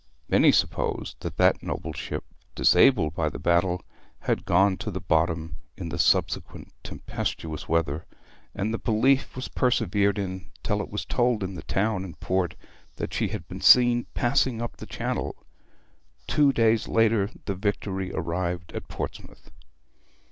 Many supposed that that noble ship, disabled by the battle, had gone to the bottom in the subsequent tempestuous weather; and the belief was persevered in till it was told in the town and port that she had been seen passing up the Channel. Two days later the Victory arrived at Portsmouth.